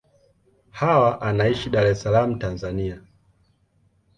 Hawa anaishi Dar es Salaam, Tanzania.